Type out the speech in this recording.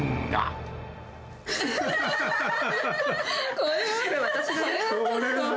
これは私だね。